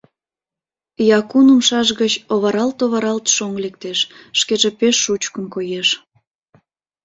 Якун умшаж гыч оваралт-оваралт шоҥ лектеш, шкеже пеш шучкын коеш.